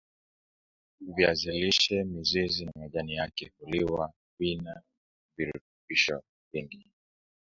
viazi lishe mizizi na majani yake huliwa vina virutubishi vingi